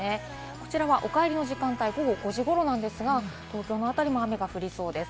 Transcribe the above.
こちらはお帰りの時間帯、午後５時頃なんですが、東京の辺りも雨が降りそうです。